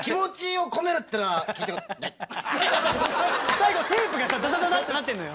最後テープがさザザザザってなってんのよ。